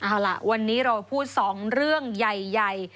เอาล่ะวันนี้เราพูด๒เรื่องใหญ่